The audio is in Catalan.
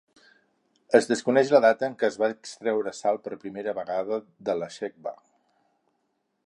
Es desconeix la data en què es va extreure sal per primera vegada de la sebkha.